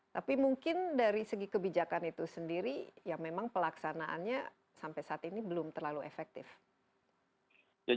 tapi mungkin dari segi kebijakan itu sendiri ya memang pelaksanaannya sampai saat ini belum terlalu efektif